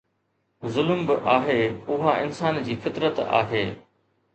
ظلم به آهي، اها انسان جي فطرت آهي.